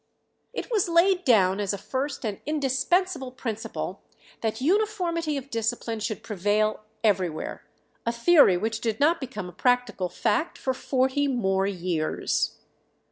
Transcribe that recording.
It was laid down as a first and indispensable principle that uniformity of discipline should prevail everywhere, a theory which did not become a practical fact for forty more years.